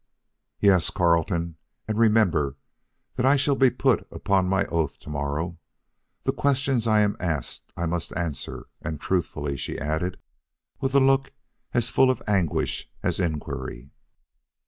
"Yes, Carleton. And remember that I shall be put upon my oath to morrow. The questions I am asked I must answer and truthfully," she added, with a look as full of anguish as inquiry.